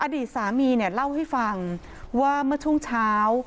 อดีตสามีเนี่ยเล่าให้ฟังว่าเมื่อช่วงเช้า